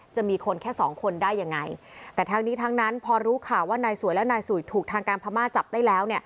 จะมีคนแค่สองคนได้ยังไงแต่ทั้งนี้ทั้งนั้นพอรู้ข่าวว่านายสวยและนายสุยถูกทางการพม่าจับได้แล้ว